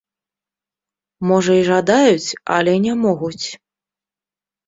Можа і жадаюць, але не могуць!